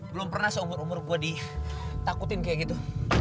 belum pernah seumur umur gue ditakutin kayak gitu